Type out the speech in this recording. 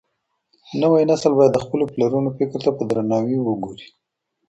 نوی نسل بايد د خپلو پلرونو فکر ته په درناوي وګوري.